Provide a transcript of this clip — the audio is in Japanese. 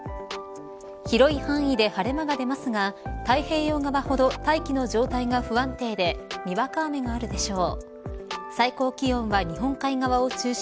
広い範囲で晴れ間が出ますが太平洋側ほど大気の状態が不安定でにわか雨があるでしょう。